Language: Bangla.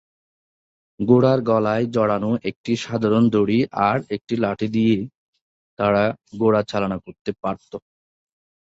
ঘোড়ার গলায় জড়ানো একটি সাধারণ দড়ি আর একটি লাঠি দিয়েই তারা ঘোড়া চালনা করতে পারত।